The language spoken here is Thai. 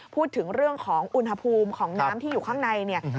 พูดถึงเรื่องของอุณหภูมิของน้ำที่อยู่ข้างในเนี่ย